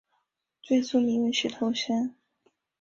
最初名为石头山。